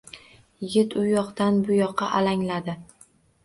Yigit uyoq-buyoqqa alangladi